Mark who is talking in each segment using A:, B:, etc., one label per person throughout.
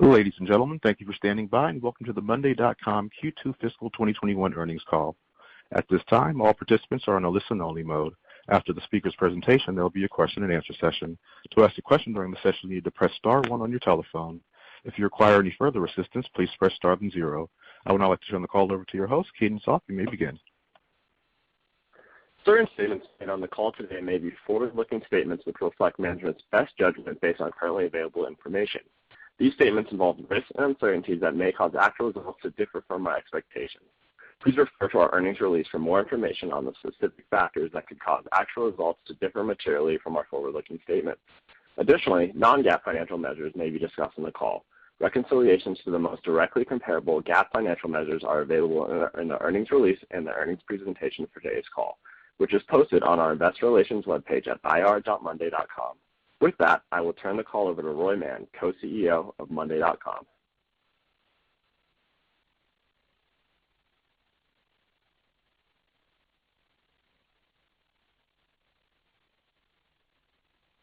A: Ladies and gentlemen, thank you for standing by, and welcome to the monday.com Q2 fiscal 2021 earnings call. I would now like to turn the call over to your host, Keenan Zopf. You may begin.
B: Certain statements made on the call today may be forward-looking statements, which reflect management's best judgment based on currently available information. These statements involve risks and uncertainties that may cause actual results to differ from our expectations. Please refer to our earnings release for more information on the specific factors that could cause actual results to differ materially from our forward-looking statements. Additionally, non-GAAP financial measures may be discussed on the call. Reconciliations to the most directly comparable GAAP financial measures are available in the earnings release and the earnings presentation for today's call, which is posted on our investor relations webpage at ir.monday.com. With that, I will turn the call over to Roy Mann, Co-CEO of monday.com.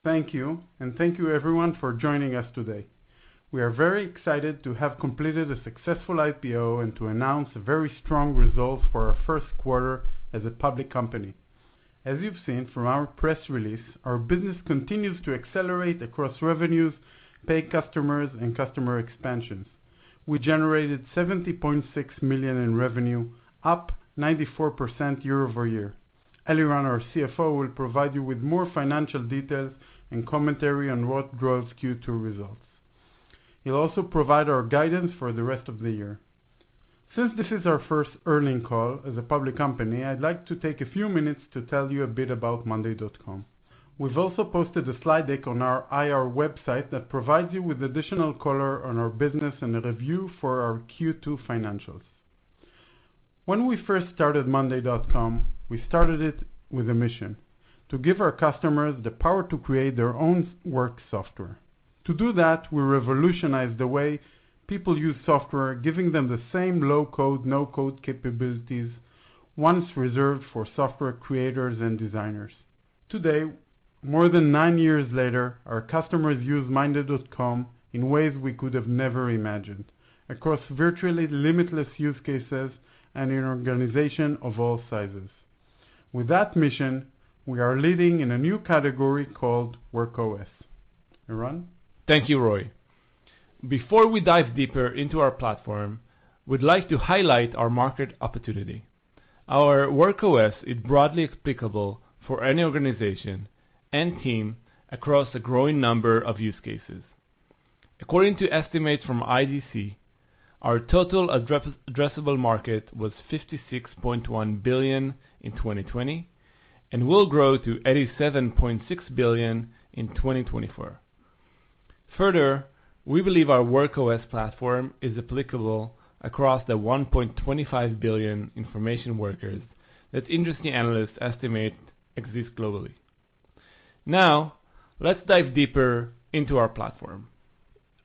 C: Thank you, and thank you everyone for joining us today. We are very excited to have completed a successful IPO and to announce very strong results for our first quarter as a public company. As you've seen from our press release, our business continues to accelerate across revenues, paid customers, and customer expansions. We generated $70.6 million in revenue, up 94% year-over-year. Eliran, our CFO, will provide you with more financial details and commentary on what growth Q2 results. He'll also provide our guidance for the rest of the year. Since this is our first earnings call as a public company, I'd like to take a few minutes to tell you a bit about monday.com. We've also posted a slide deck on our IR website that provides you with additional color on our business and a review for our Q2 financials. When we first started monday.com, we started it with a mission: to give our customers the power to create their own work software. To do that, we revolutionized the way people use software, giving them the same low-code, no-code capabilities once reserved for software creators and designers. Today, more than nine years later, our customers use monday.com in ways we could have never imagined, across virtually limitless use cases and in organizations of all sizes. With that mission, we are leading in a new category called Work OS. Eran?
D: Thank you, Roy. Before we dive deeper into our platform, we'd like to highlight our market opportunity. Our Work OS is broadly applicable for any organization and team across a growing number of use cases. According to estimates from IDC, our total addressable market was $56.1 billion in 2020, and will grow to $87.6 billion in 2024. Further, we believe our Work OS platform is applicable across the 1.25 billion information workers that industry analysts estimate exist globally. Now, let's dive deeper into our platform.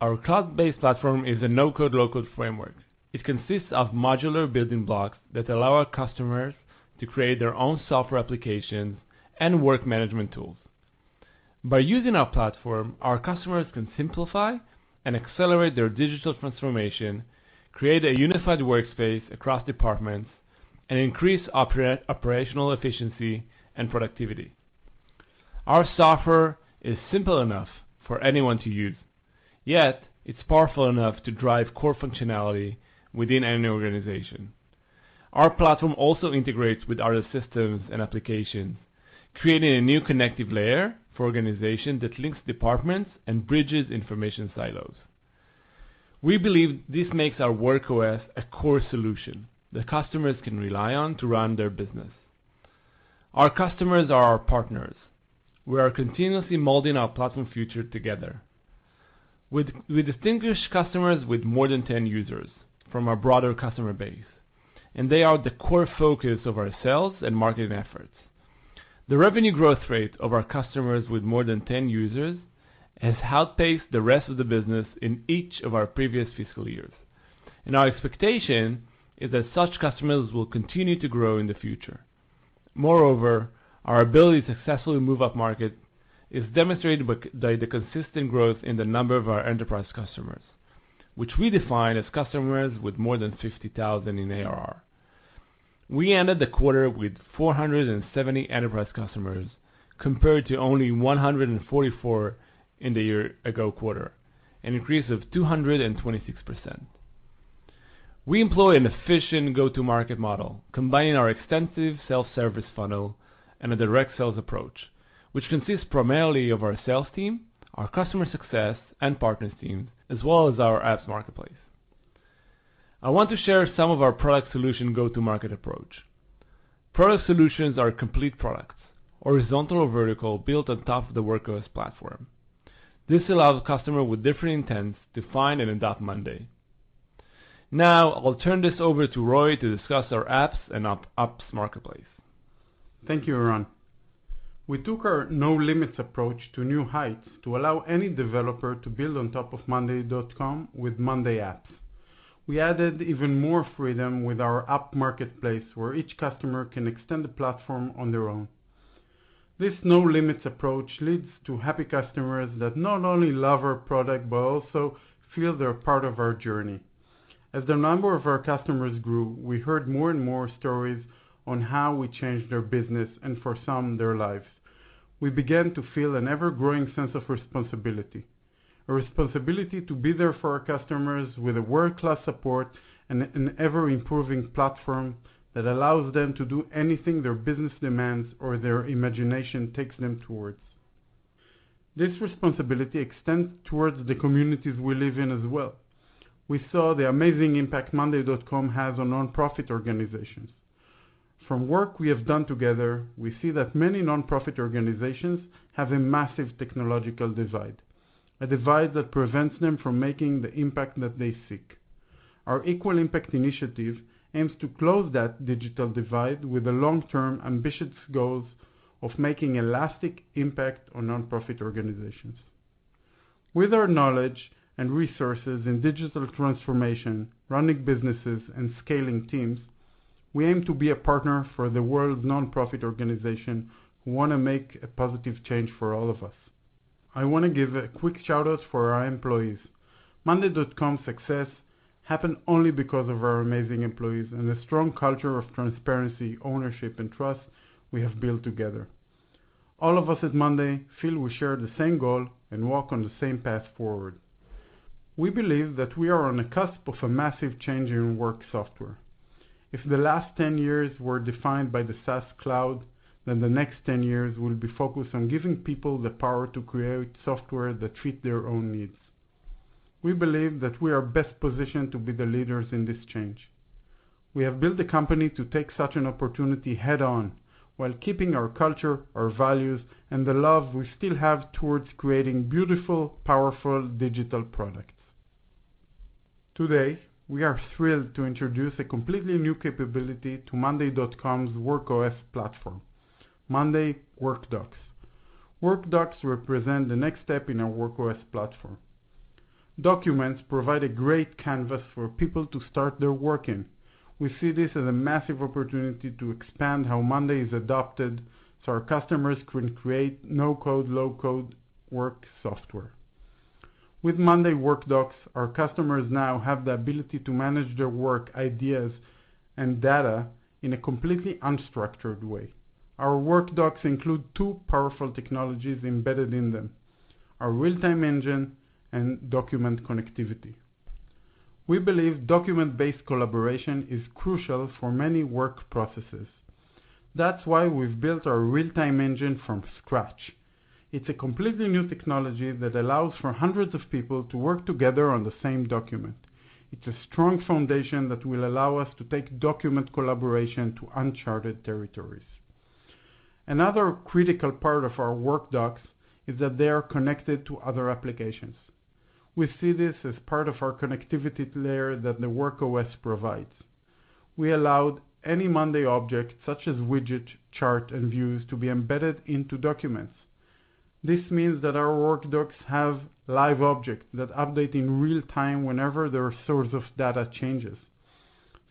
D: Our cloud-based platform is a no-code, low-code framework. It consists of modular building blocks that allow our customers to create their own software applications and work management tools. By using our platform, our customers can simplify and accelerate their digital transformation, create a unified workspace across departments, and increase operational efficiency and productivity. Our software is simple enough for anyone to use, yet it's powerful enough to drive core functionality within any organization. Our platform also integrates with other systems and applications, creating a new connective layer for organizations that links departments and bridges information silos. We believe this makes our Work OS a core solution that customers can rely on to run their business. Our customers are our partners. We are continuously molding our platform future together. We distinguish customers with more than 10 users from our broader customer base, and they are the core focus of our sales and marketing efforts. The revenue growth rate of our customers with more than 10 users has outpaced the rest of the business in each of our previous fiscal years, and our expectation is that such customers will continue to grow in the future. Moreover, our ability to successfully move upmarket is demonstrated by the consistent growth in the number of our enterprise customers, which we define as customers with more than $50,000 in ARR. We ended the quarter with 470 enterprise customers, compared to only 144 in the year ago quarter, an increase of 226%. We employ an efficient go-to-market model, combining our extensive self-service funnel and a direct sales approach, which consists primarily of our sales team, our customer success and partners team, as well as our apps marketplace. I want to share some of our product solution go-to-market approach. Product solutions are complete products, horizontal or vertical, built on top of the Work OS platform. This allows customers with different intents to find and adopt monday.com. Now, I'll turn this over to Roy to discuss our apps and our apps marketplace.
C: Thank you, Eran. We took our no limits approach to new heights to allow any developer to build on top of monday.com with monday apps. We added even more freedom with our app marketplace, where each customer can extend the platform on their own. This no limits approach leads to happy customers that not only love our product, but also feel they're part of our journey. As the number of our customers grew, we heard more and more stories on how we changed their business, and for some, their lives. We began to feel an ever-growing sense of responsibility. A responsibility to be there for our customers with a world-class support and an ever-improving platform that allows them to do anything their business demands or their imagination takes them towards. This responsibility extends towards the communities we live in as well. We saw the amazing impact monday.com has on nonprofit organizations. From work we have done together, we see that many nonprofit organizations have a massive technological divide, a divide that prevents them from making the impact that they seek. Our Equal Impact initiative aims to close that digital divide with the long-term ambitious goals of making a lasting impact on nonprofit organizations. With our knowledge and resources in digital transformation, running businesses, and scaling teams, we aim to be a partner for the world's nonprofit organization who want to make a positive change for all of us. I want to give a quick shout-out for our employees. monday.com's success happened only because of our amazing employees and the strong culture of transparency, ownership, and trust we have built together. All of us at monday feel we share the same goal and walk on the same path forward. We believe that we are on the cusp of a massive change in work software. If the last 10 years were defined by the SaaS cloud, then the next 10 years will be focused on giving people the power to create software that fit their own needs. We believe that we are best positioned to be the leaders in this change. We have built a company to take such an opportunity head-on while keeping our culture, our values, and the love we still have towards creating beautiful, powerful digital products. Today, we are thrilled to introduce a completely new capability to monday.com's Work OS platform, monday Workdocs. Workdocs represent the next step in our Work OS platform. Documents provide a great canvas for people to start their work in. We see this as a massive opportunity to expand how monday is adopted so our customers can create no-code, low-code work software. With monday Workdocs, our customers now have the ability to manage their work ideas and data in a completely unstructured way. Our Workdocs include two powerful technologies embedded in them, our real-time engine and document connectivity. We believe document-based collaboration is crucial for many work processes. That's why we've built our real-time engine from scratch. It's a completely new technology that allows for hundreds of people to work together on the same document. It's a strong foundation that will allow us to take document collaboration to uncharted territories. Another critical part of our Workdocs is that they are connected to other applications. We see this as part of our connectivity layer that the Work OS provides. We allowed any monday object, such as widget, chart, and views, to be embedded into documents. This means that our monday Workdocs have live objects that update in real-time whenever their source of data changes.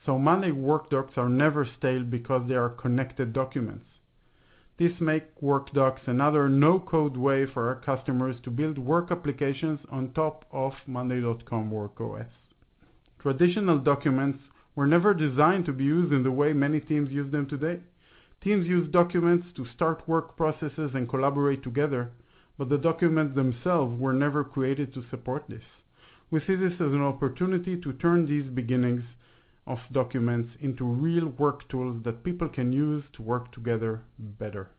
C: monday Workdocs are never stale because they are connected documents. This makes monday Workdocs another no-code way for our customers to build work applications on top of monday.com Work OS. Traditional documents were never designed to be used in the way many teams use them today. Teams use documents to start work processes and collaborate together, but the documents themselves were never created to support this. We see this as an opportunity to turn these beginnings of documents into real work tools that people can use to work together better.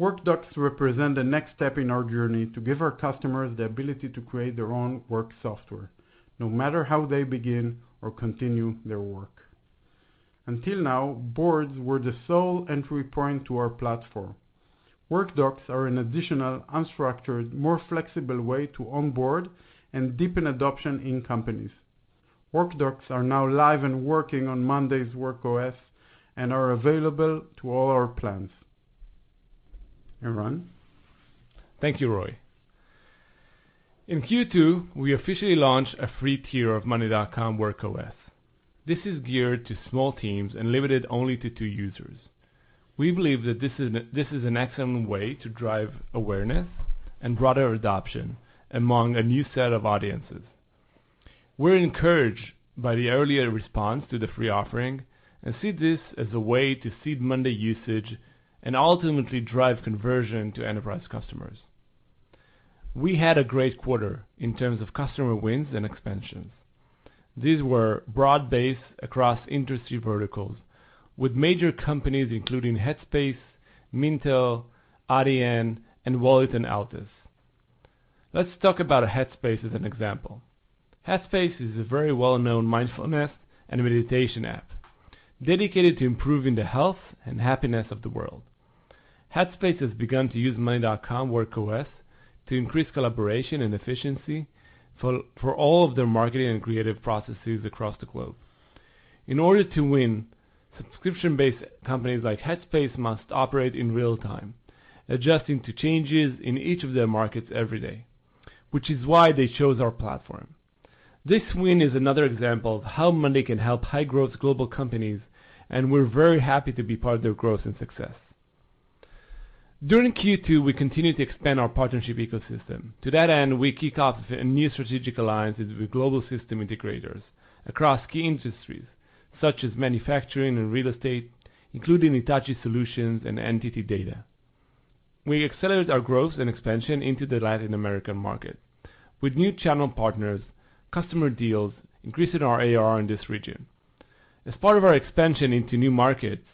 C: Workdocs represent the next step in our journey to give our customers the ability to create their own work software, no matter how they begin or continue their work. Until now, boards were the sole entry point to our platform. Workdocs are an additional, unstructured, more flexible way to onboard and deepen adoption in companies. Workdocs are now live and working on monday.com Work OS and are available to all our plans. Eran?
D: Thank you, Roy. In Q2, we officially launched a free tier of monday.com Work OS. This is geared to small teams and limited only to two users. We believe that this is an excellent way to drive awareness and broader adoption among a new set of audiences. We're encouraged by the earlier response to the free offering and see this as a way to seed monday usage and ultimately drive conversion to enterprise customers. We had a great quarter in terms of customer wins and expansions. These were broad-based across industry verticals with major companies including Headspace, Mintel, ADN, and Wolt and Altus. Let's talk about Headspace as an example. Headspace is a very well-known mindfulness and meditation app dedicated to improving the health and happiness of the world. Headspace has begun to use monday.com Work OS to increase collaboration and efficiency for all of their marketing and creative processes across the globe. In order to win, subscription-based companies like Headspace must operate in real time, adjusting to changes in each of their markets every day, which is why they chose our platform. This win is another example of how monday can help high-growth global companies, and we're very happy to be part of their growth and success. During Q2, we continued to expand our partnership ecosystem. To that end, we kick off new strategic alliances with global system integrators across key industries such as manufacturing and real estate, including Hitachi Solutions and NTT Data. We accelerated our growth and expansion into the Latin American market with new channel partners, customer deals, increasing our ARR in this region. As part of our expansion into new markets,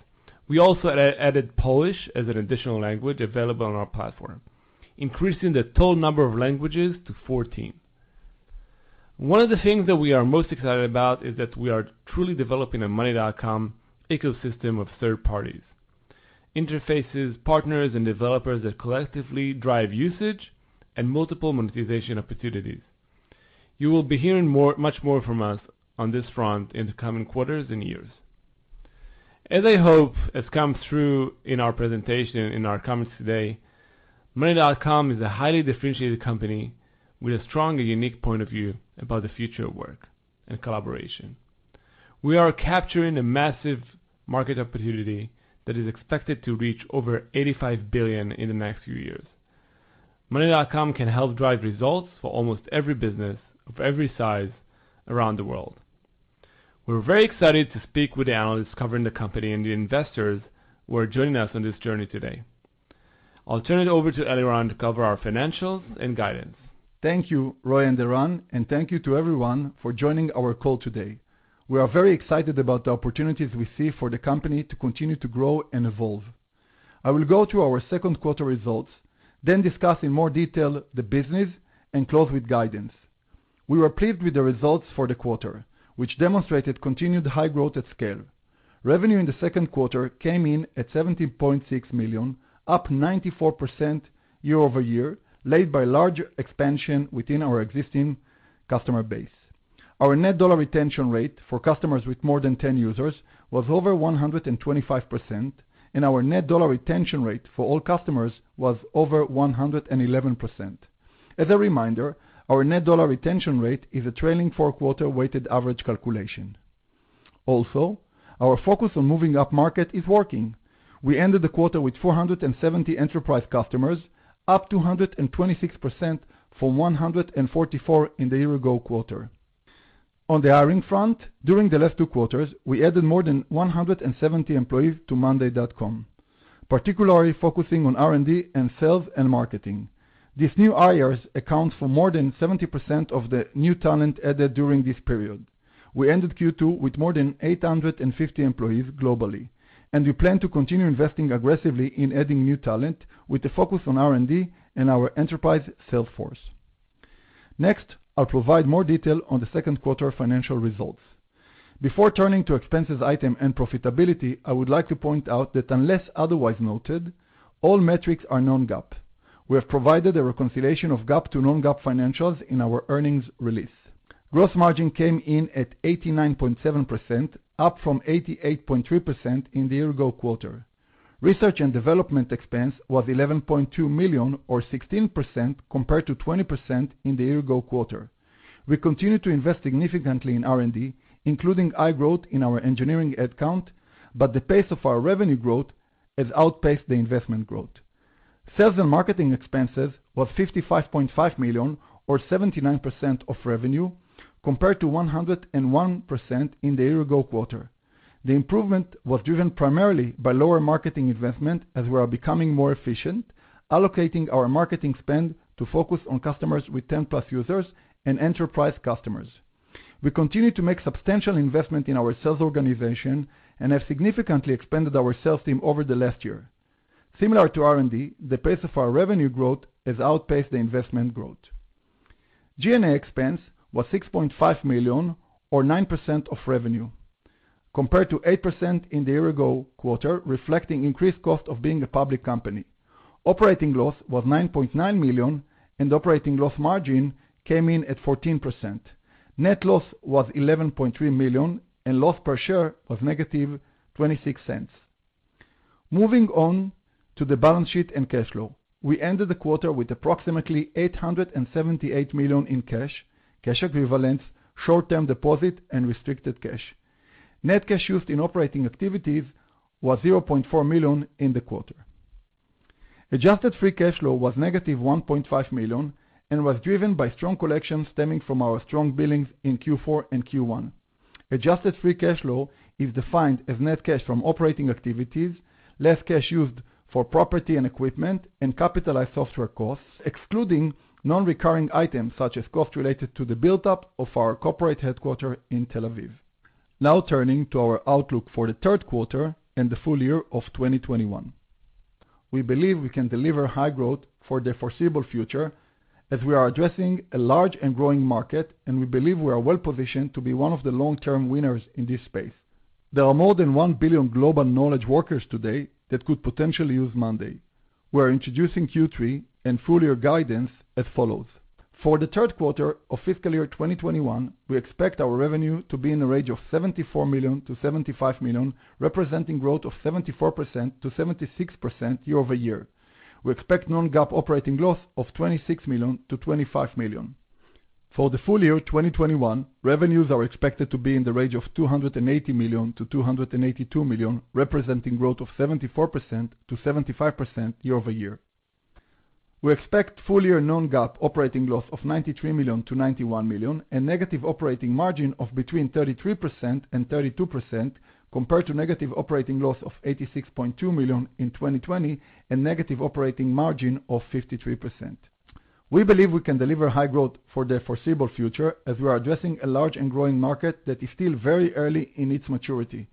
D: we also added Polish as an additional language available on our platform, increasing the total number of languages to 14. One of the things that we are most excited about is that we are truly developing a monday.com ecosystem of third parties, interfaces, partners, and developers that collectively drive usage and multiple monetization opportunities. You will be hearing much more from us on this front in the coming quarters and years. As I hope has come through in our presentation, in our comments today, monday.com is a highly differentiated company with a strong and unique point of view about the future of work and collaboration. We are capturing a massive market opportunity that is expected to reach over $85 billion in the next few years. monday.com can help drive results for almost every business of every size around the world. We're very excited to speak with the analysts covering the company and the investors who are joining us on this journey today. I'll turn it over to Eliran to cover our financials and guidance.
E: Thank you, Roy and Eran, thank you to everyone for joining our call today. We are very excited about the opportunities we see for the company to continue to grow and evolve. I will go through our second quarter results, discuss in more detail the business, close with guidance. We were pleased with the results for the quarter, which demonstrated continued high growth at scale. Revenue in the second quarter came in at $17.6 million, up 94% year-over-year, led by large expansion within our existing customer base. Our net dollar retention rate for customers with more than 10 users was over 125%, our net dollar retention rate for all customers was over 111%. As a reminder, our net dollar retention rate is a trailing four-quarter weighted average calculation. Our focus on moving up-market is working. We ended the quarter with 470 enterprise customers, up 226% from 144 in the year-ago quarter. On the hiring front, during the last two quarters, we added more than 170 employees to monday.com, particularly focusing on R&D and sales and marketing. These new hires account for more than 70% of the new talent added during this period. We ended Q2 with more than 850 employees globally, and we plan to continue investing aggressively in adding new talent, with a focus on R&D and our enterprise sales force. Next, I'll provide more detail on the second quarter financial results. Before turning to expenses item and profitability, I would like to point out that unless otherwise noted, all metrics are non-GAAP. We have provided a reconciliation of GAAP to non-GAAP financials in our earnings release. Gross margin came in at 89.7%, up from 88.3% in the year-ago quarter. Research and development expense was $11.2 million or 16% compared to 20% in the year-ago quarter. We continue to invest significantly in R&D, including high growth in our engineering head count, but the pace of our revenue growth has outpaced the investment growth. Sales and marketing expenses was $55.5 million or 79% of revenue, compared to 101% in the year-ago quarter. The improvement was driven primarily by lower marketing investment as we are becoming more efficient, allocating our marketing spend to focus on customers with 10-plus users and enterprise customers. We continue to make substantial investment in our sales organization and have significantly expanded our sales team over the last year. Similar to R&D, the pace of our revenue growth has outpaced the investment growth. G&A expense was $6.5 million or 9% of revenue, compared to 8% in the year-ago quarter, reflecting increased cost of being a public company. Operating loss was $9.9 million. Operating loss margin came in at 14%. Net loss was $11.3 million. Loss per share was -$0.26. Moving on to the balance sheet and cash flow. We ended the quarter with approximately $878 million in cash equivalents, short-term deposit, and restricted cash. Net cash used in operating activities was $0.4 million in the quarter. Adjusted free cash flow was -$1.5 million. Was driven by strong collections stemming from our strong billings in Q4 and Q1. Adjusted free cash flow is defined as net cash from operating activities, less cash used for property and equipment, and capitalized software costs, excluding non-recurring items such as costs related to the buildup of our corporate headquarter in Tel Aviv. We are now turning to our outlook for the third quarter and the full year of 2021. We believe we can deliver high growth for the foreseeable future as we are addressing a large and growing market, and we believe we are well-positioned to be one of the long-term winners in this space. There are more than one billion global knowledge workers today that could potentially use monday. We're introducing Q3 and full-year guidance as follows. For the third quarter of fiscal year 2021, we expect our revenue to be in the range of $74 million-$75 million, representing growth of 74%-76% year-over-year. We expect non-GAAP operating loss of $26 million-$25 million. For the full year 2021, revenues are expected to be in the range of $280 million-$282 million, representing growth of 74%-75% year-over-year. We expect full-year non-GAAP operating loss of $93 million to $91 million and negative operating margin of between 33% and 32%, compared to negative operating loss of $86.2 million in 2020 and negative operating margin of 53%. We believe we can deliver high growth for the foreseeable future as we are addressing a large and growing market that is still very early in its maturity.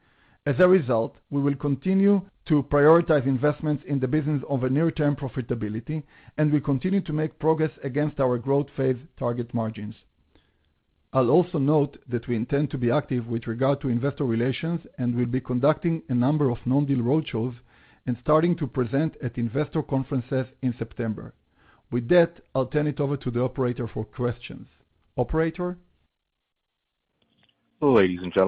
E: We will continue to prioritize investments in the business over near-term profitability, and we continue to make progress against our growth phase target margins. I'll also note that we intend to be active with regard to investor relations, and we'll be conducting a number of non-deal roadshows and starting to present at investor conferences in September. With that, I'll turn it over to the operator for questions. Operator?
A: Our first question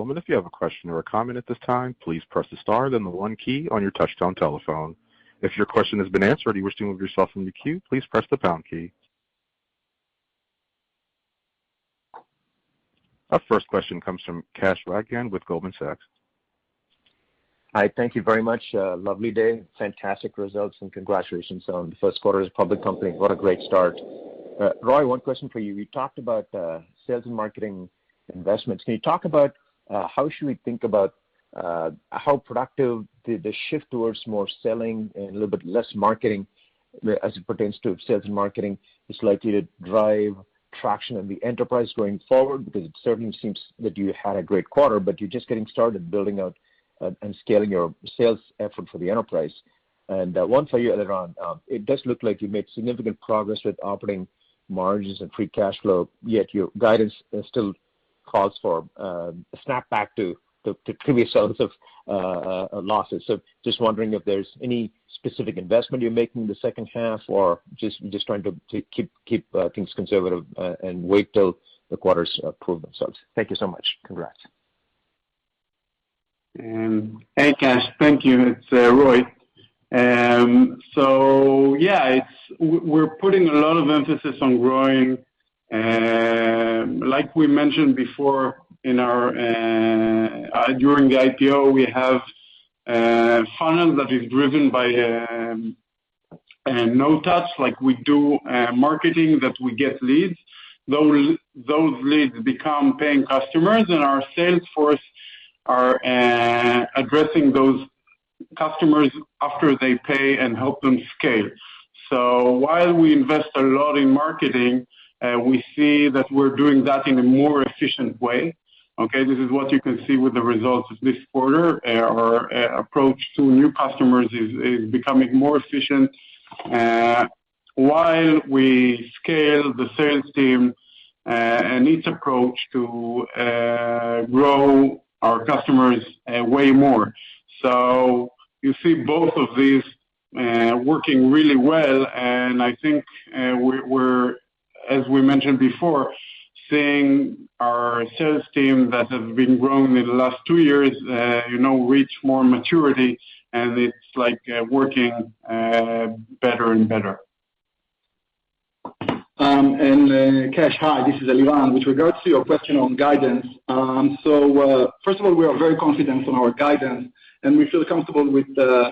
A: comes from Kash Rangan with Goldman Sachs.
F: Hi. Thank you very much. Lovely day, fantastic results, and congratulations on the first quarter as a public company. What a great start. Roy, one question for you. We talked about sales and marketing investments. Can you talk about how should we think about how productive the shift towards more selling and a little bit less marketing as it pertains to sales and marketing is likely to drive traction in the enterprise going forward? It certainly seems that you had a great quarter, but you're just getting started building out and scaling your sales effort for the enterprise. One for you, Eran. It does look like you made significant progress with operating margins and free cash flow, yet your guidance still calls for a snap back to previous levels of losses. Just wondering if there's any specific investment you're making in the second half, or just trying to keep things conservative, and wait till the quarters prove themselves. Thank you so much. Congrats.
C: Hey, Kash. Thank you. It's Roy. Yeah, we're putting a lot of emphasis on growing. Like we mentioned before during the IPO, we have a funnel that is driven by no-touch, like we do marketing that we get leads. Those leads become paying customers, and our sales force are addressing those customers after they pay and help them scale. While we invest a lot in marketing, we see that we're doing that in a more efficient way, okay? This is what you can see with the results of this quarter. Our approach to new customers is becoming more efficient, while we scale the sales team and its approach to grow our customers way more. You see both of these working really well, and I think we're, as we mentioned before, seeing our sales team that has been growing in the last two years, reach more maturity, and it's working better and better.
D: Kash, hi, this is Eran. With regards to your question on guidance, first of all, we are very confident on our guidance and we feel comfortable with the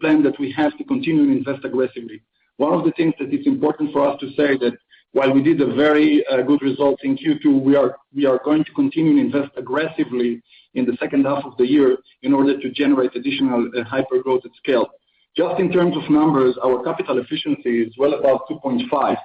D: plan that we have to continue to invest aggressively. One of the things that is important for us to say that while we did a very good result in Q2, we are going to continue to invest aggressively in the second half of the year in order to generate additional hyper-growth at scale. Just in terms of numbers, our capital efficiency is well above 2.5.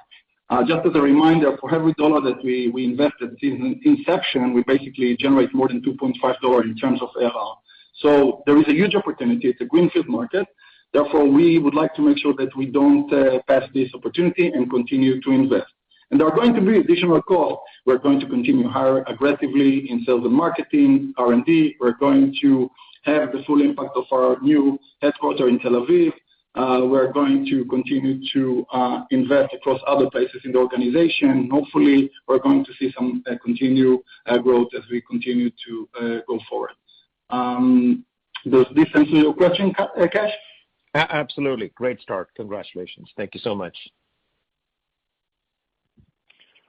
D: Just as a reminder, for every $1 that we invested since inception, we basically generate more than $2.5 in terms of ARR. There is a huge opportunity. It's a greenfield market. Therefore, we would like to make sure that we don't pass this opportunity and continue to invest. There are going to be additional call, we're going to continue to hire aggressively in sales and marketing, R&D. We're going to have the full impact of our new headquarters in Tel Aviv. We're going to continue to invest across other places in the organization. Hopefully, we're going to see some continued growth as we continue to go forward. Does this answer your question, Kash?
F: Absolutely. Great start. Congratulations. Thank you so much.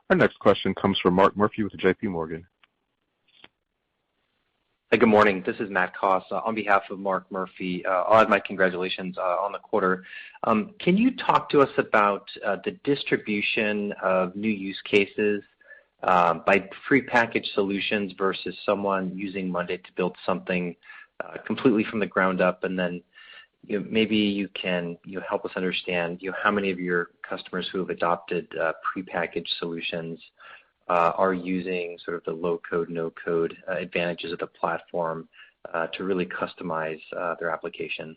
A: Our next question comes from Mark Murphy with JPMorgan.
G: Hey, good morning. This is Matt Coss on behalf of Mark Murphy. Add, my congratulations on the quarter. Can you talk to us about the distribution of new use cases, by prepackaged solutions versus someone using monday.com to build something completely from the ground up? Then maybe you can help us understand how many of your customers who have adopted prepackaged solutions are using sort of the low-code, no-code advantages of the platform to really customize their application?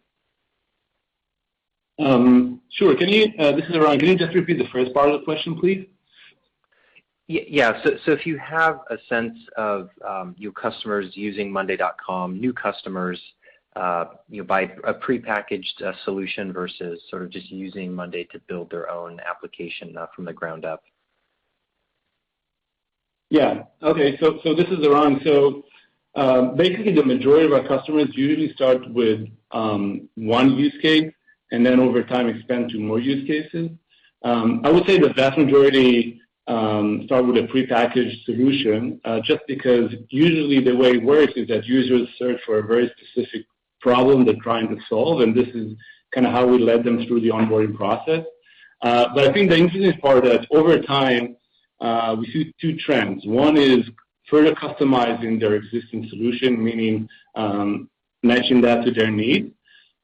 D: Sure. This is Eran. Can you just repeat the first part of the question, please?
G: If you have a sense of your customers using monday.com, new customers, by a prepackaged solution versus just using monday to build their own application from the ground up?
D: This is Eran. Basically the majority of our customers usually start with one use case, and then over time expand to more use cases. I would say the vast majority start with a prepackaged solution, just because usually the way it works is that users search for a very specific problem they're trying to solve, and this is kind of how we led them through the onboarding process. I think the interesting part is over time, we see two trends. One is further customizing their existing solution, meaning matching that to their need.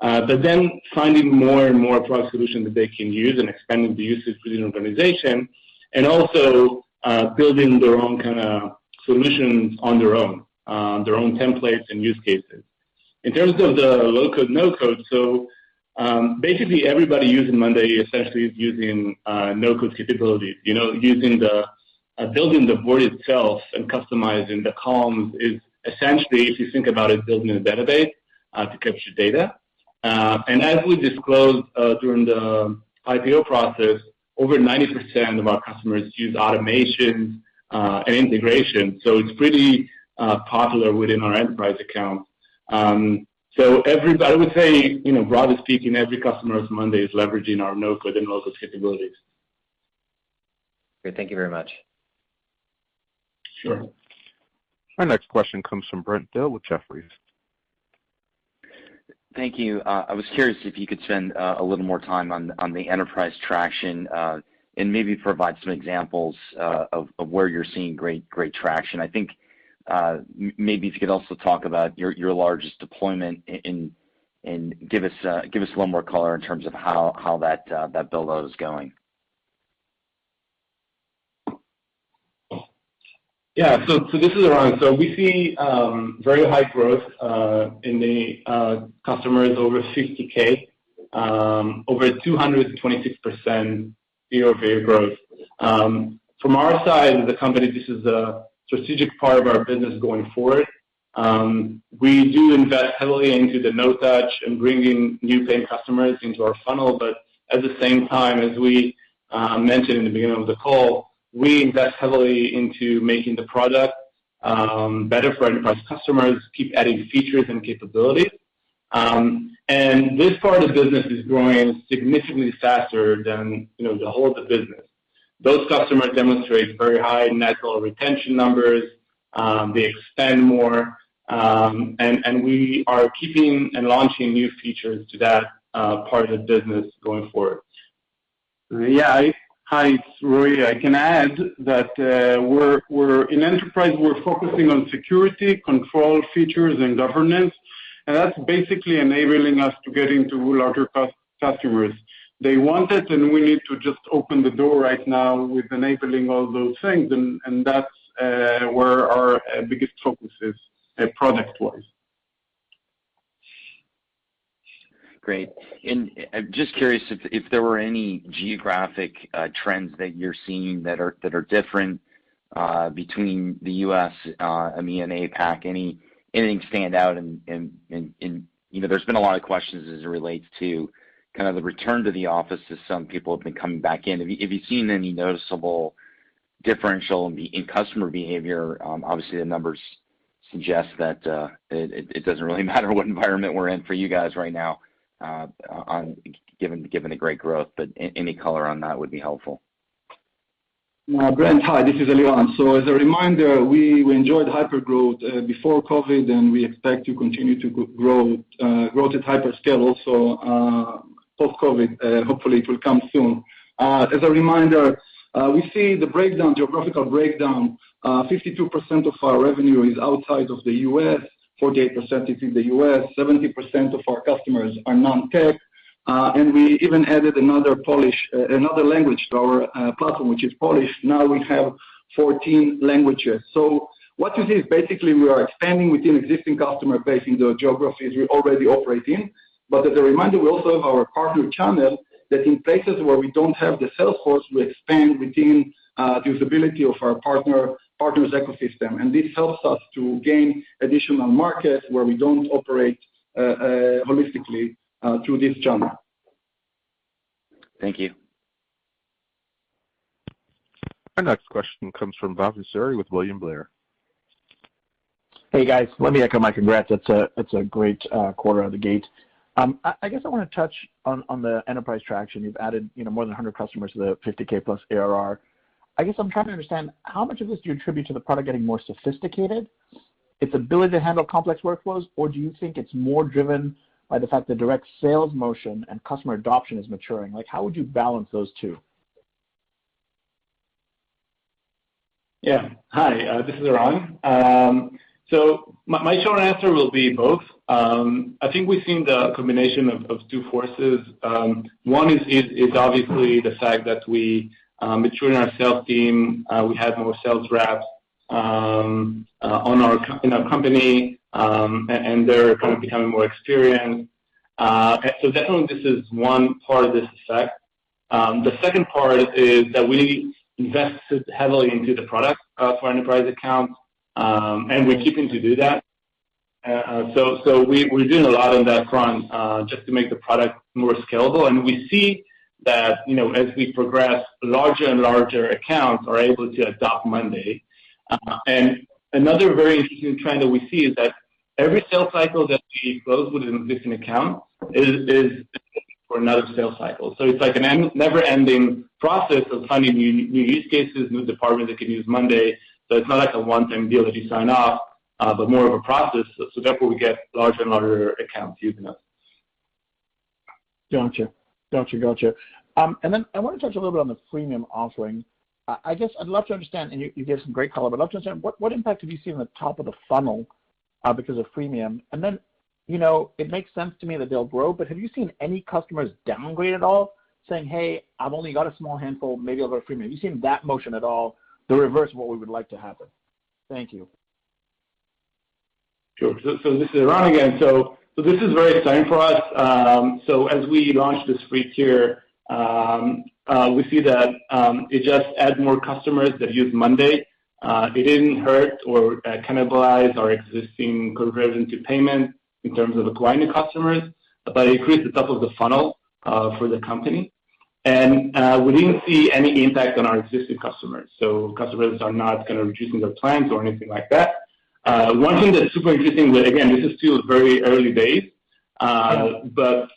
D: Then finding more and more product solutions that they can use and expanding the usage within the organization, and also building their own kind of solutions on their own, their own templates and use cases. In terms of the low-code/no-code, basically everybody using monday.com essentially is using no-code capabilities. Building the board itself and customizing the columns is essentially, if you think about it, building a database to capture data. As we disclosed during the IPO process, over 90% of our customers use automation and integration, so it's pretty popular within our enterprise account. I would say, broadly speaking, every customer of monday is leveraging our no-code and low-code capabilities.
G: Great. Thank you very much.
D: Sure.
A: Our next question comes from Brent Thill with Jefferies.
H: Thank you. I was curious if you could spend a little more time on the enterprise traction, and maybe provide some examples of where you're seeing great traction. I think maybe if you could also talk about your largest deployment and give us a little more color in terms of how that build-out is going.
D: Yeah. This is Eran. We see very high growth in the customers over 50,000. Over 226% year-over-year growth. From our side of the company, this is a strategic part of our business going forward. We do invest heavily into the no-touch and bringing new paying customers into our funnel. At the same time, as we mentioned in the beginning of the call, we invest heavily into making the product better for enterprise customers, keep adding features and capabilities. This part of the business is growing significantly faster than the whole of the business. Those customers demonstrate very high net dollar retention numbers. They expand more. We are keeping and launching new features to that part of the business going forward.
C: Hi, it's Roy. I can add that in enterprise, we're focusing on security, control features, and governance, and that's basically enabling us to get into larger customers. They want it, and we need to just open the door right now with enabling all those things, and that's where our biggest focus is product-wise.
H: Great. Just curious if there were any geographic trends that you're seeing that are different between the U.S., EMEA, and APAC. Anything stand out. There's been a lot of questions as it relates to kind of the return to the office as some people have been coming back in. Have you seen any noticeable differential in customer behavior? Obviously, the numbers suggest that it doesn't really matter what environment we're in for you guys right now, given the great growth, but any color on that would be helpful.
E: Brent, hi. This is Eliran. As a reminder, we enjoyed hypergrowth before COVID, and we expect to continue to grow at hyperscale also post-COVID. Hopefully, it will come soon. As a reminder, we see the breakdown, geographical breakdown 52% of our revenue is outside of the U.S., 48% is in the U.S., 70% of our customers are non-tech. We even added another language to our platform, which is Polish. Now we have 14 languages. What you see is basically we are expanding within existing customer base in the geographies we already operate in. As a reminder, we also have our partner channel that in places where we don't have the sales force, we expand within the usability of our partners' ecosystem, and this helps us to gain additional markets where we don't operate holistically through this channel.
H: Thank you.
A: Our next question comes from Bhavan Suri with William Blair.
I: Hey, guys. Let me echo my congrats. It's a great quarter out of the gate. I guess I want to touch on the enterprise traction. You've added more than 100 customers to the $50,000+ ARR. I guess I'm trying to understand, how much of this do you attribute to the product getting more sophisticated, its ability to handle complex workflows, or do you think it's more driven by the fact the direct sales motion and customer adoption is maturing? How would you balance those two?
D: Yeah. Hi, this is Eran. My short answer will be both. I think we've seen the combination of two forces. One is obviously the fact that we matured our sales team. We have more sales reps in our company, and they're kind of becoming more experienced. Definitely this is one part of this effect. The second part is that we invested heavily into the product for enterprise accounts, and we're keeping to do that. We're doing a lot on that front, just to make the product more scalable. We see that as we progress, larger and larger accounts are able to adopt monday. Another very interesting trend that we see is that every sales cycle that we close with an existing account is for another sales cycle. It's like a never-ending process of finding new use cases, new departments that can use monday. It's not like a one-time deal that you sign off, but more of a process. Therefore, we get larger and larger accounts using us.
I: Got you. I want to touch a little bit on the freemium offering. I'd love to understand, and you gave some great color, but I'd love to understand, what impact have you seen on the top of the funnel because of freemium? It makes sense to me that they'll grow, but have you seen any customers downgrade at all? Saying, "Hey, I've only got a small handful, maybe I'll go freemium." Have you seen that motion at all, the reverse of what we would like to happen? Thank you.
D: Sure. This is Eran again. This is very exciting for us. As we launch this free tier, we see that, it just adds more customers that use monday.com. It didn't hurt or cannibalize our existing conversion to payment in terms of acquiring new customers, but it increased the top of the funnel for the company. We didn't see any impact on our existing customers. Customers are not kind of reducing their plans or anything like that. One thing that's super interesting, again, this is still very early days.
I: Sure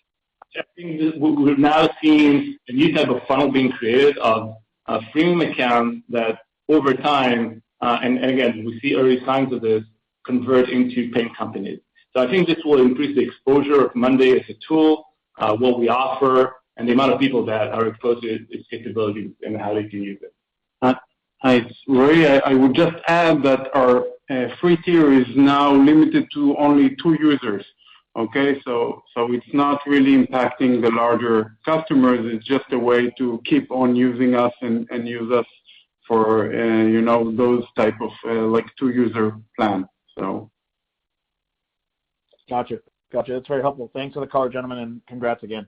D: Checking, we're now seeing a new type of funnel being created of a freemium account that over time, and again, we see early signs of this, convert into paying companies. I think this will increase the exposure of monday.com as a tool, what we offer, and the amount of people that are exposed to its capabilities and how they can use it.
C: It's Roy, I would just add that our free tier is now limited to only two users. Okay? It's not really impacting the larger customers. It's just a way to keep on using us and use us for those type of two-user plan.
I: Got you. That is very helpful. Thanks for the color, gentlemen, and congrats again.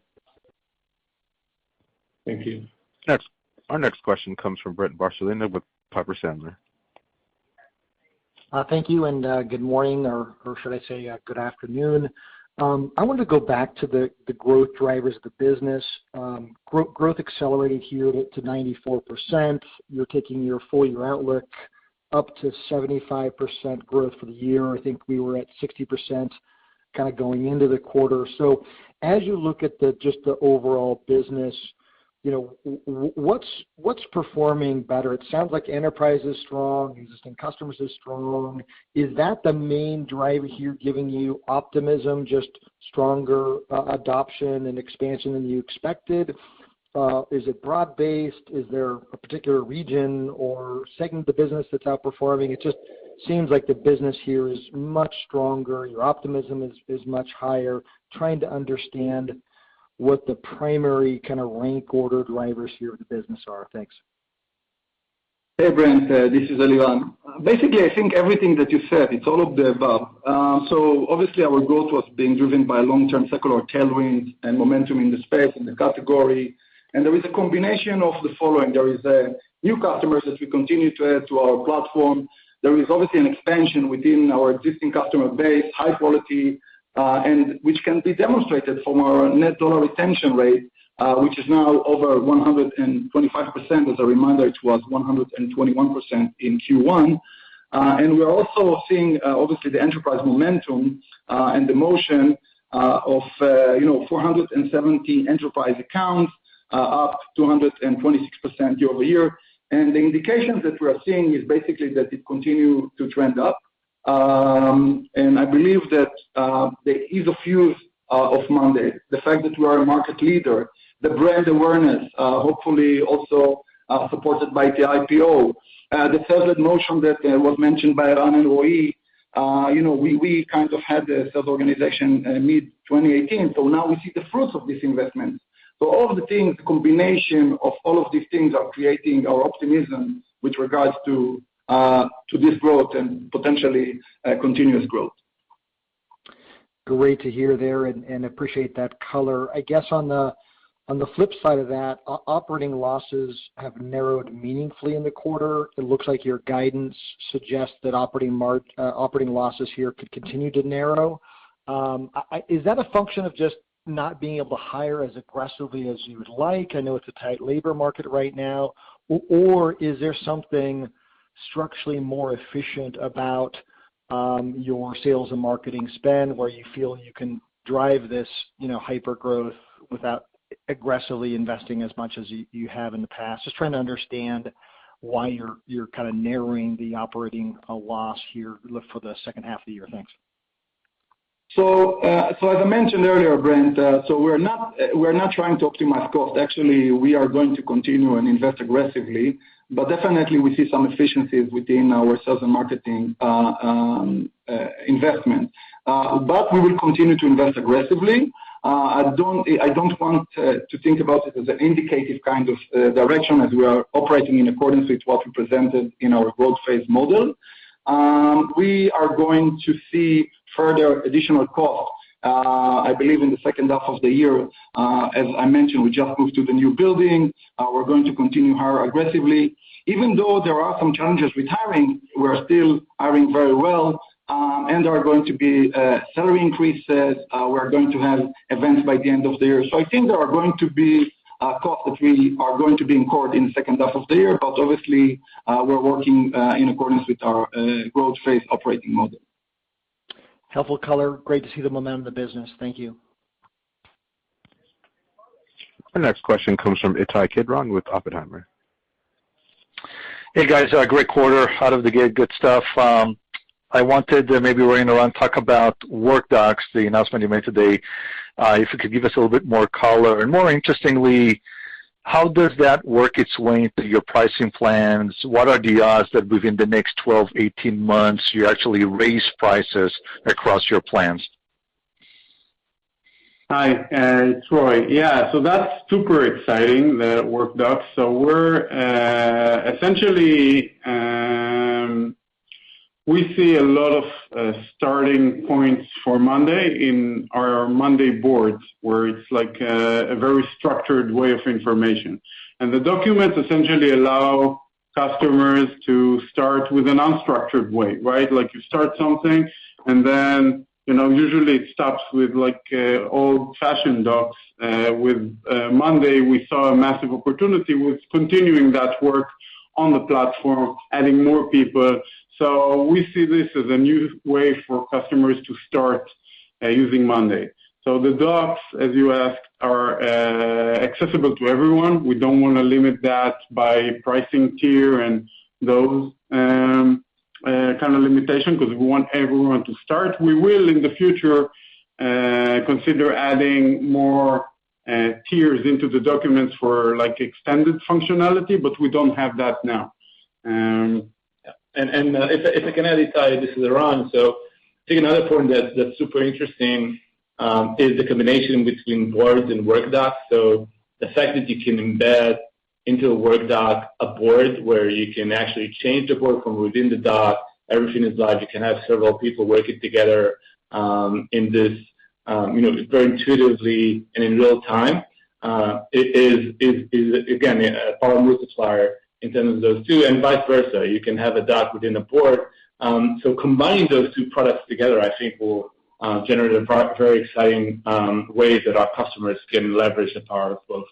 C: Thank you. Thanks.
A: Our next question comes from Brent Bracelin with Piper Sandler.
J: Thank you, and good morning, or should I say good afternoon? I wanted to go back to the growth drivers of the business. Growth accelerated here to 94%. You're taking your full year outlook up to 75% growth for the year. I think we were at 60% going into the quarter. As you look at just the overall business, what's performing better? It sounds like enterprise is strong, existing customers are strong. Is that the main driver here giving you optimism, just stronger adoption and expansion than you expected? Is it broad-based? Is there a particular region or segment of the business that's outperforming? It just seems like the business here is much stronger. Your optimism is much higher. Trying to understand what the primary rank order drivers here of the business are. Thanks.
E: Hey, Brent. This is Eliran. I think everything that you said, it's all of the above. Obviously our growth was being driven by long-term secular tailwinds and momentum in the space, in the category. There is a combination of the following. There is new customers as we continue to add to our platform. There is obviously an expansion within our existing customer base, high quality, and which can be demonstrated from our net dollar retention rate, which is now over 125%. As a reminder, it was 121% in Q1. We're also seeing, obviously, the enterprise momentum, and the motion of 417 enterprise accounts, up 226% year-over-year. The indications that we are seeing is basically that it continue to trend up. I believe that the ease of use of monday.com, the fact that we are a market leader, the brand awareness, hopefully also supported by the IPO. The sales motion that was mentioned by Eran and Roy, we kind of had the sales organization mid-2018, so now we see the fruits of this investment. All of the things, combination of all of these things are creating our optimism with regards to this growth and potentially continuous growth.
J: Great to hear there and appreciate that color. I guess on the flip side of that, operating losses have narrowed meaningfully in the quarter. It looks like your guidance suggests that operating losses here could continue to narrow. Is that a function of just not being able to hire as aggressively as you would like? I know it's a tight labor market right now. Is there something structurally more efficient about your sales and marketing spend, where you feel you can drive this hypergrowth without aggressively investing as much as you have in the past? Just trying to understand why you're kind of narrowing the operating loss here for the second half of the year. Thanks.
E: As I mentioned earlier, Brent, we're not trying to optimize cost. Actually, we are going to continue and invest aggressively, but definitely we see some efficiencies within our sales and marketing investment. We will continue to invest aggressively. I don't want to think about it as an indicative kind of direction as we are operating in accordance with what we presented in our road phase model. We are going to see further additional cost, I believe, in the second half of the year, as I mentioned, we just moved to the new building. We're going to continue to hire aggressively. Even though there are some challenges with hiring, we're still hiring very well, and there are going to be salary increases. We're going to have events by the end of the year. I think there are going to be costs that we are going to be incurred in the second half of the year. Obviously, we're working in accordance with our growth phase operating model.
J: Helpful color. Great to see the momentum of the business. Thank you.
A: Our next question comes from Ittai Kidron with Oppenheimer.
K: Hey, guys. Great quarter out of the gate. Good stuff. Eran, talk about Workdocs, the announcement you made today. If you could give us a little bit more color. More interestingly, how does that work its way into your pricing plans? What are the odds that within the next 12, 18 months, you actually raise prices across your plans?
C: Hi, Ittai. It's Roy. Yeah. That's super exciting, the monday Workdocs. Essentially, we see a lot of starting points for monday.com in our monday.com boards, where it's like a very structured way of information. The documents essentially allow customers to start with an unstructured way, right? Like you start something, then usually it stops with old-fashioned docs. With monday.com, we saw a massive opportunity with continuing that work on the platform, adding more people. We see this as a new way for customers to start using monday.com. The docs, as you asked, are accessible to everyone. We don't want to limit that by pricing tier and those kind of limitations because we want everyone to start. We will, in the future, consider adding more tiers into the documents for extended functionality, we don't have that now.
D: Ittai, if I can add, Ittai, this is Eran. I think another point that's super interesting is the combination between boards and monday Workdocs. The fact that you can embed into a monday Workdocs a board where you can actually change the board from within the doc, everything is live. You can have several people working together in this very intuitively and in real time. It is, again, a power multiplier in terms of those two, and vice versa. You can have a doc within a board. Combining those two products together, I think will generate a very exciting way that our customers can leverage our flows.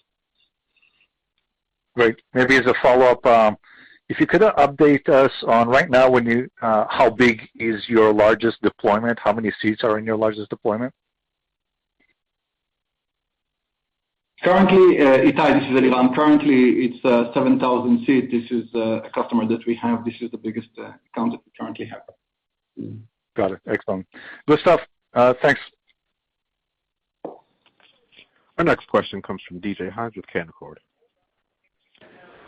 K: Great. Maybe as a follow-up, if you could update us on right now, how big is your largest deployment? How many seats are in your largest deployment?
E: Currently, Ittai, this is Eliran. Currently, it's 7,000 seats. This is a customer that we have. This is the biggest account that we currently have.
K: Got it. Excellent. Good stuff. Thanks.
A: Our next question comes from David Hynes with Canaccord.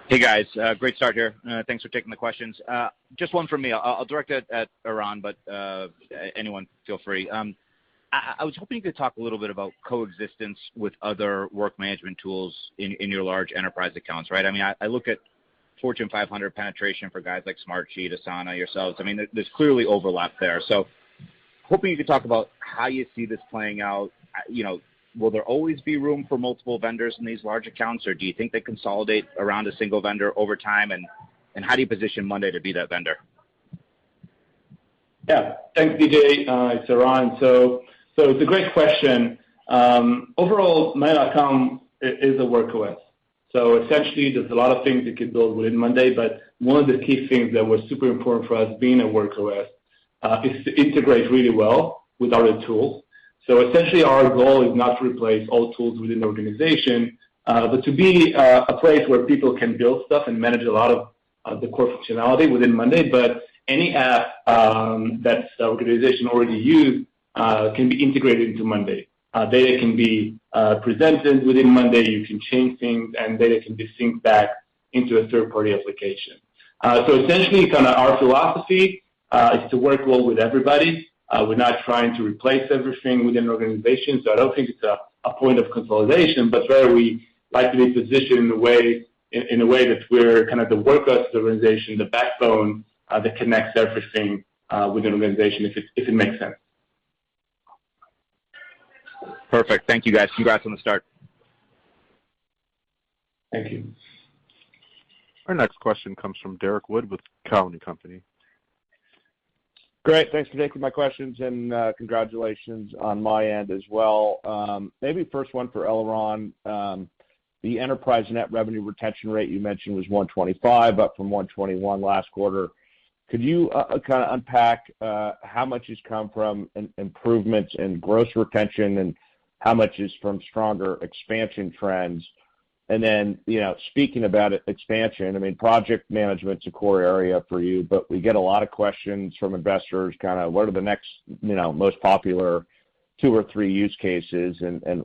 L: Hey, guys. Great start here. Thanks for taking the questions. Just one from me. I'll direct it at Eran, but anyone, feel free. I was hoping you could talk a little bit about coexistence with other work management tools in your large enterprise accounts, right? I look at Fortune 500 penetration for guys like Smartsheet, Asana, yourselves. There's clearly overlap there. Hoping you could talk about how you see this playing out. Will there always be room for multiple vendors in these large accounts, or do you think they consolidate around a single vendor over time? How do you position monday to be that vendor?
D: Yeah. Thanks, David. It's Eran. It's a great question. Overall, monday.com is a Work OS. Essentially, there's a lot of things you could build within monday, but one of the key things that was super important for us being a Work OS is to integrate really well with other tools. Essentially, our goal is not to replace all tools within the organization, but to be a place where people can build stuff and manage a lot of the core functionality within monday. Any app that the organization already use can be integrated into monday. Data can be presented within monday, you can change things, and data can be synced back into a third-party application. Essentially, our philosophy is to work well with everybody. We're not trying to replace everything within an organization. I don't think it's a point of consolidation, but rather we like to be positioned in a way that we're kind of the Work OS of the organization, the backbone that connects everything within an organization, if it makes sense.
L: Perfect. Thank you, guys. Congrats on the start.
D: Thank you.
A: Our next question comes from Derrick Wood with Cowen and Company.
M: Great. Thanks for taking my questions, congratulations on my end as well. Maybe first one for Eliran. The enterprise net revenue retention rate you mentioned was 125, up from 121 last quarter. Could you kind of unpack how much has come from improvements in gross retention and how much is from stronger expansion trends? Speaking about expansion, project management's a core area for you, but we get a lot of questions from investors, kind of what are the next most popular two or three use cases,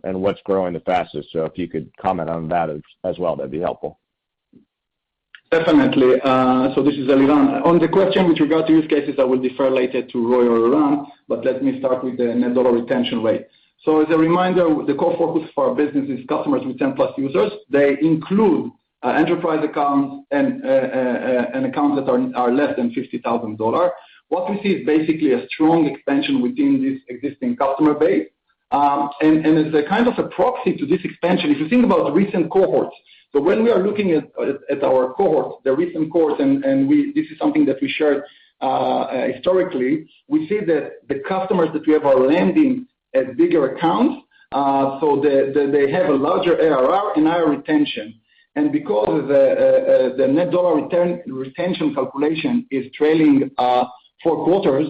M: and what's growing the fastest? If you could comment on that as well, that'd be helpful.
E: Definitely. This is Eliran. On the question with regard to use cases, I will defer later to Roy or Eran, but let me start with the net dollar retention rate. As a reminder, the core focus for our business is customers with 10-plus users. They include Enterprise accounts and accounts that are less than $50,000. What we see is basically a strong expansion within this existing customer base. As a kind of a proxy to this expansion, if you think about recent cohorts, so when we are looking at our cohorts, the recent cohorts, and this is something that we shared historically, we see that the customers that we have are landing as bigger accounts, so they have a larger ARR and higher retention. Because of the net dollar retention calculation is trailing four quarters,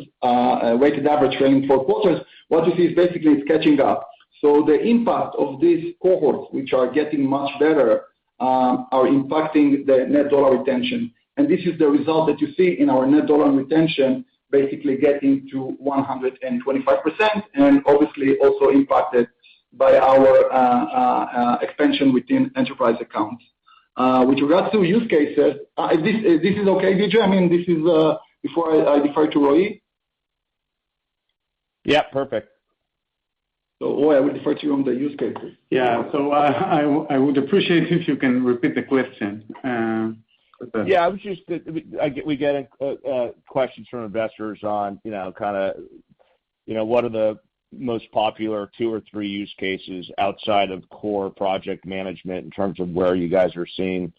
E: weighted average trailing four quarters, what you see is basically it's catching up. The impact of these cohorts, which are getting much better, are impacting the net dollar retention. This is the result that you see in our net dollar retention, basically getting to 125%, and obviously also impacted by our expansion within enterprise accounts. With regards to use cases, this is okay, Derrick? I mean, this is before I defer to Roy?
M: Yeah, perfect.
E: Roy, I will defer to you on the use cases.
C: Yeah. I would appreciate if you can repeat the question.
M: Yeah. We're getting questions from investors on what are the most popular two or three use cases outside of core project management in terms of where you guys are seeing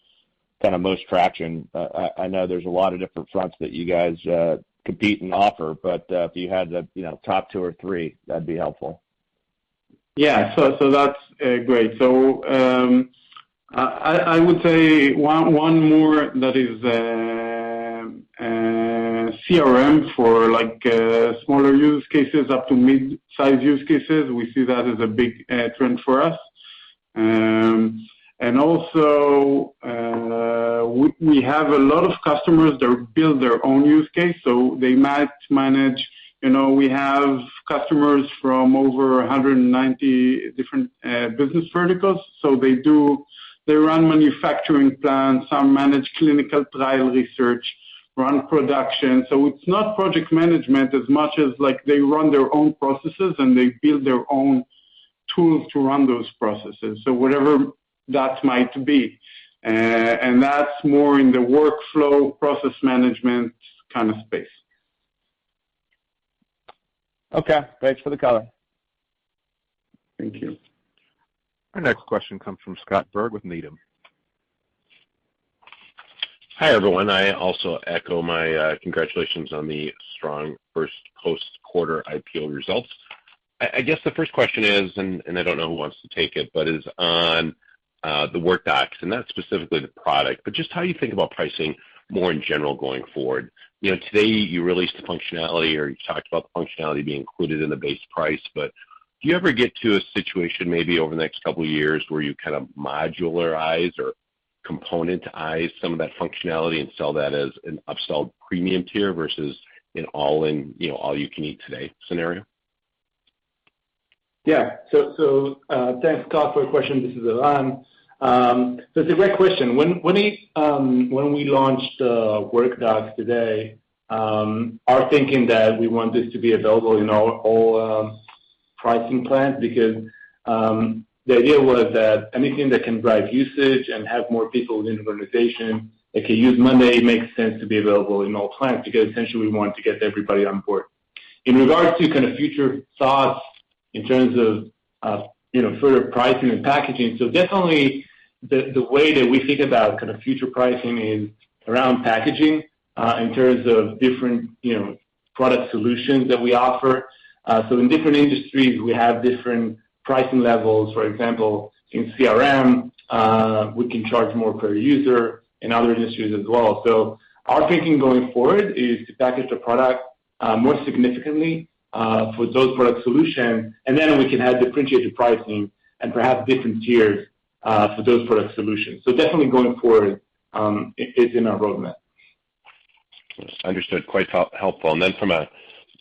M: most traction. I know there's a lot of different fronts that you guys compete and offer, but if you had the top two or three, that'd be helpful.
C: Yeah. That's great. I would say one more that is, CRM for smaller use cases up to mid-size use cases. We see that as a big trend for us. Also, we have a lot of customers that build their own use case, so they might manage, we have customers from over 190 different business verticals. They run manufacturing plants, some manage clinical trial research, run production. It's not project management as much as they run their own processes, and they build their own tools to run those processes. Whatever that might be. That's more in the workflow process management kind of space.
M: Okay. Thanks for the color.
C: Thank you.
A: Our next question comes from Scott Berg with Needham.
N: Hi, everyone. I also echo my congratulations on the strong first post-quarter IPO results. I guess the first question is, and I don't know who wants to take it, but is on the monday Workdocs, and not specifically the product, but just how you think about pricing more in general going forward. Today, you released functionality, or you talked about functionality being included in the base price, but do you ever get to a situation maybe over the next couple of years where you kind of modularize or componentize some of that functionality and sell that as an upsell premium tier versus an all-in, all-you-can-eat today scenario?
D: Yeah. Thanks, Scott, for the question. This is Eran. It's a great question. When we launched monday Workdocs today, our thinking that we want this to be available in all pricing plans because, the idea was that anything that can drive usage and have more people within the organization that can use monday.com, it makes sense to be available in all plans because essentially we want to get everybody on board. In regards to kind of future thoughts in terms of further pricing and packaging, definitely the way that we think about kind of future pricing is around packaging, in terms of different product solutions that we offer. In different industries, we have different pricing levels. For example, in CRM, we can charge more per user, in other industries as well. Our thinking going forward is to package the product more significantly, for those product solution, and then we can have differentiated pricing and perhaps different tiers for those product solutions. Definitely going forward, it's in our roadmap.
N: Understood. Quite helpful. Then from a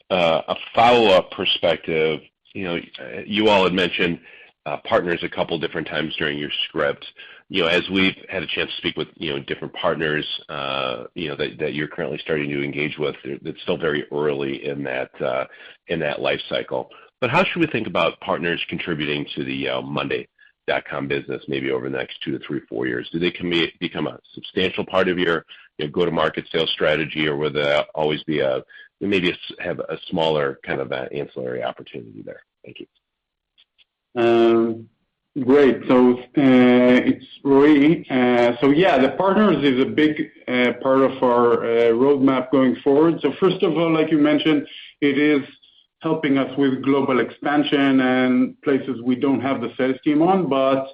N: follow-up perspective, you all had mentioned partners a couple different times during your script. As we've had a chance to speak with different partners that you're currently starting to engage with, it's still very early in that life cycle. How should we think about partners contributing to the monday.com business, maybe over the next two to three or four years? Do they become a substantial part of your go-to-market sales strategy, or will they always be maybe have a smaller kind of ancillary opportunity there? Thank you.
C: Great. It's Roy. Yeah, the partners is a big part of our roadmap going forward. First of all, like you mentioned, it is helping us with global expansion and places we don't have the sales team on, but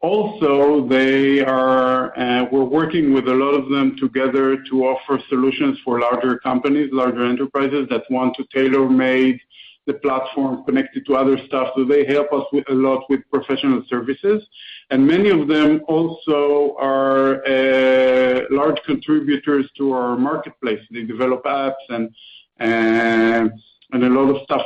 C: also we're working with a lot of them together to offer solutions for larger companies, larger enterprises that want to tailor-make the platform connected to other stuff. They help us a lot with professional services. Many of them also are large contributors to our marketplace. They develop apps and a lot of stuff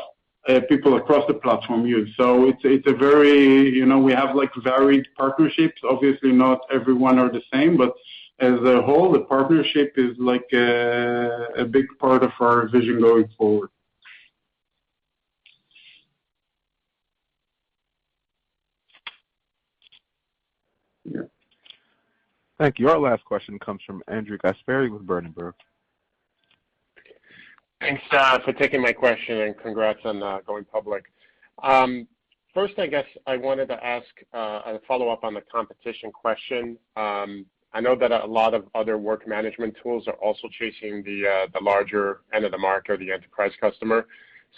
C: people across the platform use. We have varied partnerships. Obviously, not every one are the same, but as a whole, the partnership is a big part of our vision going forward.
A: Thank you. Our last question comes from Andrew Gasperi with Berenberg.
O: Thanks for taking my question, and congrats on going public. First, I guess I wanted to ask a follow-up on the competition question. I know that a lot of other work management tools are also chasing the larger end of the market or the enterprise customer.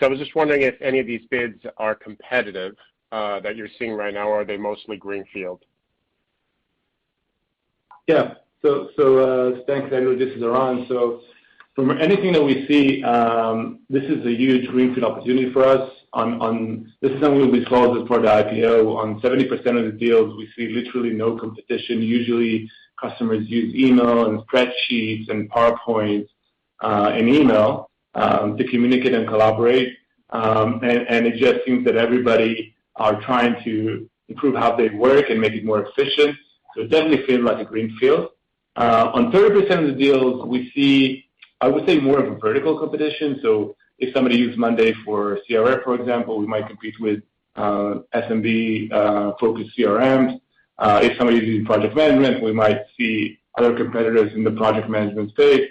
O: I was just wondering if any of these bids are competitive that you're seeing right now, or are they mostly greenfield?
D: Thanks, Andrew. This is Eran. From anything that we see, this is a huge greenfield opportunity for us. This is something we saw as part of the IPO. On 70% of the deals, we see literally no competition. Usually, customers use email and spreadsheets and PowerPoint and email to communicate and collaborate. It just seems that everybody are trying to improve how they work and make it more efficient. It definitely feels like a greenfield. On 30% of the deals, we see, I would say, more of a vertical competition. If somebody used monday for CRM, for example, we might compete with SMB-focused CRMs. If somebody's using project management, we might see other competitors in the project management space.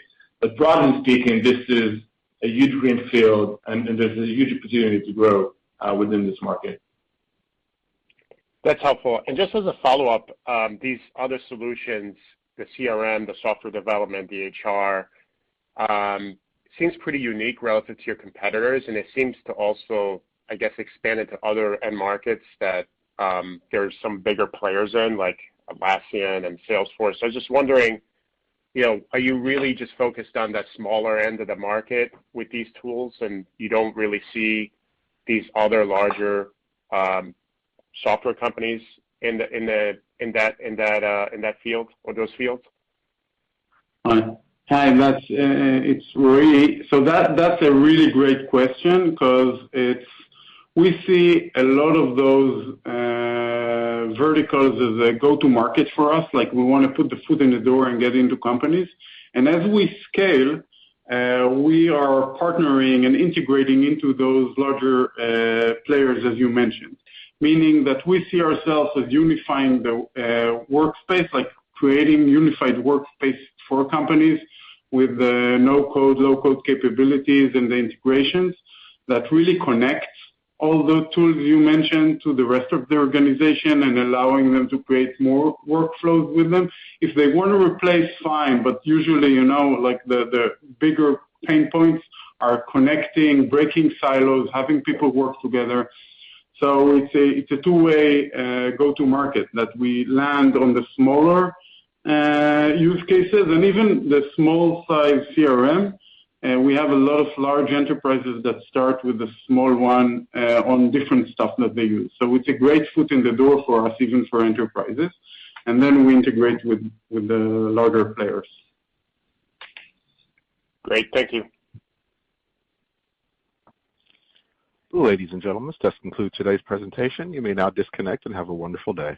D: Broadly speaking, this is a huge greenfield, and there's a huge opportunity to grow within this market.
O: That's helpful. Just as a follow-up, these other solutions, the CRM, the software development, the HR, seems pretty unique relative to your competitors, and it seems to also, I guess, expand into other end markets that there's some bigger players in, like Atlassian and Salesforce. I was just wondering, are you really just focused on that smaller end of the market with these tools, and you don't really see these other larger software companies in that field or those fields?
C: That's a really great question because we see a lot of those verticals as a go-to market for us. We want to put the foot in the door and get into companies. As we scale, we are partnering and integrating into those larger players, as you mentioned. Meaning that we see ourselves as unifying the workspace, like creating unified workspace for companies with no code, low code capabilities and the integrations that really connects all the tools you mentioned to the rest of the organization and allowing them to create more workflows with them. If they want to replace, fine, but usually, the bigger pain points are connecting, breaking silos, having people work together. It's a two-way go-to market that we land on the smaller use cases and even the small size CRM. We have a lot of large enterprises that start with the small one on different stuff that they use. It's a great foot in the door for us, even for enterprises. We integrate with the larger players.
O: Great. Thank you.
A: Ladies and gentlemen, this does conclude today's presentation. You may now disconnect, and have a wonderful day.